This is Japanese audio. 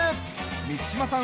満島さん